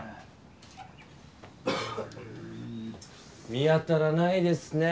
見当たらないですね。